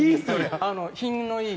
品のいい。